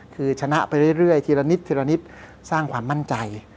คือชนะไปเรื่อยทีละนิดทีละนิดสร้างความมั่นใจ